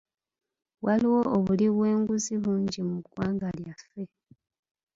Waliwo obuli bw'enguzi bungi mu ggwanga lyaffe.